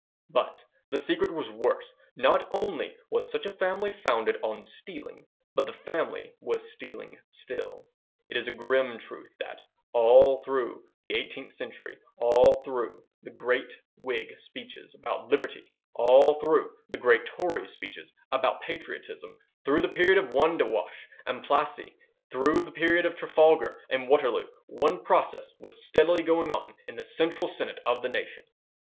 But the secret was worse; not only was such a family founded on stealing, but the family was stealing still. It is a grim truth that, all through the eighteenth century, all through the great Whig speeches about liberty, all through the great Tory speeches about patriotism, through the period of Wandiwash and Plassey, through the period of Trafalgar and Waterloo, one process was steadily going on in the central senate of the nation.